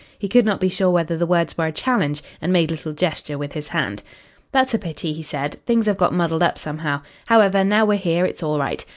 He could not be sure whether the words were a challenge, and made a little gesture with his hand. "That's a pity," he said. "Things have got muddled up somehow. However, now we're here it's all right.